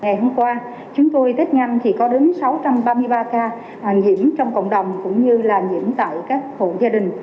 ngày hôm qua chúng tôi tích ngăn có đến sáu trăm ba mươi ba ca nhiễm trong cộng đồng cũng như là nhiễm tại các hộ gia đình